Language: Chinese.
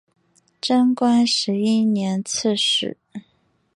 贞观十一年刺史。